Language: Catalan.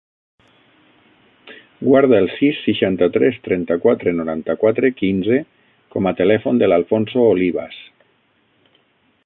Guarda el sis, seixanta-tres, trenta-quatre, noranta-quatre, quinze com a telèfon de l'Alfonso Olivas.